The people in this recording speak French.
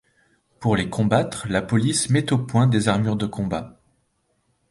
Pour les combattre, la police met au point des armures de combat.